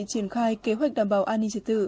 triển khai kế hoạch đảm bảo an ninh trật tự